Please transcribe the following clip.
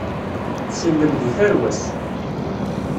Tsellem deg tarwa-s.